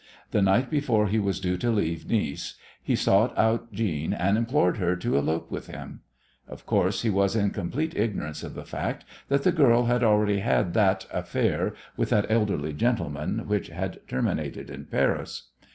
The night before he was due to leave Nice he sought out Jeanne and implored her to elope with him. Of course he was in complete ignorance of the fact that the girl had already had that "affair" with that elderly gentleman which had terminated in Paris.